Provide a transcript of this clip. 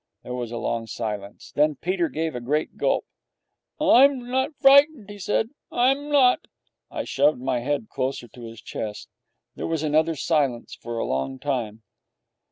There was a long silence. Then Peter gave a great gulp. 'I'm not frightened,' he said. 'I'm not!' I shoved my head closer against his chest. There was another silence for a long time.